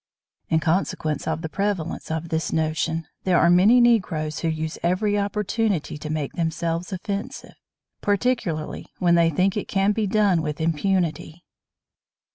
In consequence of the prevalence of this notion there are many Negroes who use every opportunity to make themselves offensive, particularly when they think it can be done with impunity.